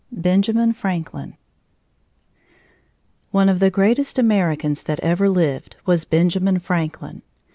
BENJAMIN FRANKLIN One of the greatest Americans that ever lived was Benjamin Franklin.